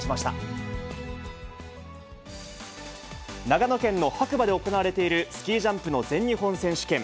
長野県で行われているスキージャンプの全日本選手権。